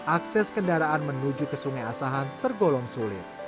akses kendaraan menuju ke sungai asahan tergolong sulit